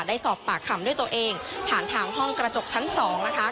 ได้สอบปากคำด้วยตัวเองผ่านทางห้องกระจกชั้น๒นะคะ